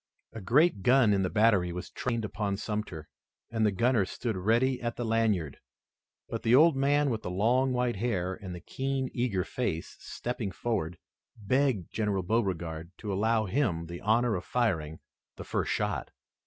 A great gun in the battery was trained upon Sumter, and the gunner stood ready at the lanyard, but the old man with the long white hair and the keen, eager face, stepping forward, begged General Beauregard to allow him the honor of firing the first shot.